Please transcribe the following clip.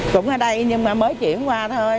cũng ở đây nhưng mà mới chuyển qua thôi